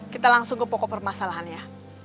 kita langsung ke pokok permasalahan ya